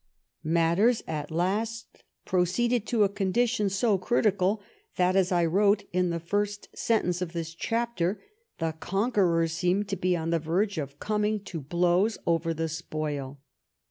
Matters at last proceeded to a condition so critical that, as I wrote in the first sentence of this chapter, the conquerors seemed to be on the verge of coming to blows over the spoil.